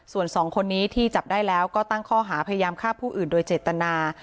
ส่วนสองคนนี้ที่จับได้แล้วก็ตั้งข้อหาพยายามฆ่าผู้อื่นโดยเจตนา